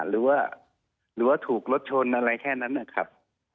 หรือว่าหรือว่าถูกรถชนอะไรแค่นั้นนะครับ